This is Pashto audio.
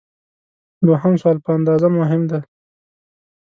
دوهم سوال په اندازه مهم دی.